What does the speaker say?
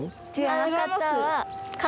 あの方は。